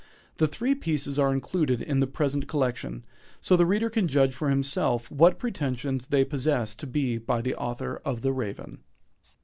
The three pieces are included in the present collection, so the reader can judge for himself what pretensions they possess to be by the author of "The Raven."